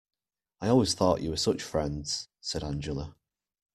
"I always thought you were such friends," said Angela.